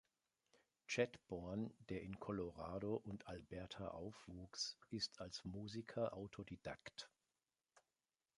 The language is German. Chadbourne, der in Colorado und Alberta aufwuchs, ist als Musiker Autodidakt.